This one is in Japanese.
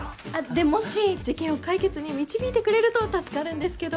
でもし事件を解決に導いてくれると助かるんですけど。